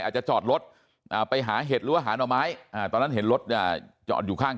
อาจจะจอดรถไปหาเห็ดหรือว่าหาหน่อไม้ตอนนั้นเห็นรถจอดอยู่ข้าง